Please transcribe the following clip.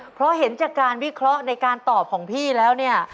เพราะเห็นจากการวิเคราะห์ในการตอบของพี่แล้วเนี่ย